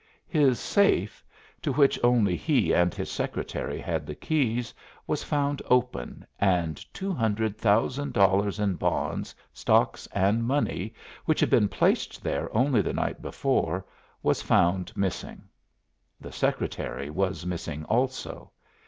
His safe, to which only he and his secretary had the keys, was found open, and $200,000 in bonds, stocks, and money, which had been placed there only the night before, was found missing. The secretary was missing also.